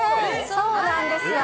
そうなんですよ。